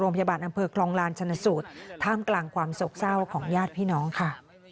โรมพยาบาลอำเพราะครองราชสนสูตรและท่ามกลางความสกเจ้าของญาติพี่น้องค่ะ